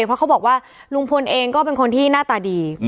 เพราะเขาบอกว่าลุงพลเองก็เป็นคนที่หน้าตาดี